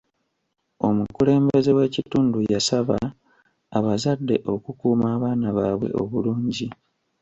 Omukulembeze w'ekitundu yasaba abazadde okukuuma abaana baabwe obulungi.